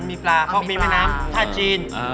มีปลาควรมีแม่น้ำภาคจีน